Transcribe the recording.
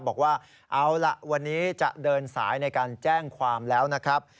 บอกว่าเอาล่ะวันนี้จะเดินสายในการแจ้งความแล้วนะครับ